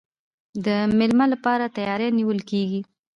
د میلمه لپاره تیاری نیول کیږي.